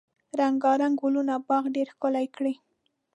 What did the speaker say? رنګارنګ ګلونه باغ ډیر ښکلی کړی.